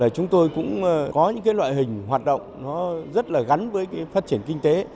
chúng tôi cũng có những loại hình hoạt động rất là gắn với phát triển kinh tế